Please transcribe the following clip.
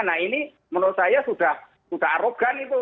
nah ini menurut saya sudah arogan itu